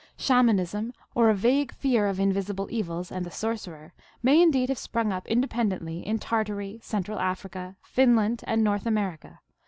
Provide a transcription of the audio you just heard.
Shamanism, or a vague fear of invisible evils and the sorcerer, may indeed have sprung up independently in Tartary, Central Africa, Finland, and North Amer 336 THE ALGONQUIN LEGENDS. ica.